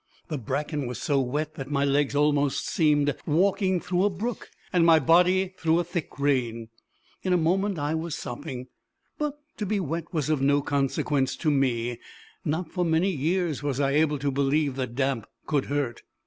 The bracken was so wet that my legs almost seemed walking through a brook, and my body through a thick rain. In a moment I was sopping; but to be wet was of no consequence to me. Not for many years was I able to believe that damp could hurt.